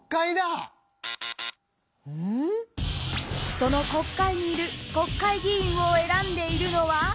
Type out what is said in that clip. その国会にいる国会議員を選んでいるのは？